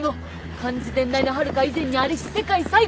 漢字伝来のはるか以前にありし世界最古の文字。